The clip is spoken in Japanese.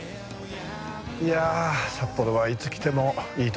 いや札幌はいつ来てもいいとこですよねえ。